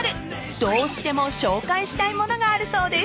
［どうしても紹介したい物があるそうです］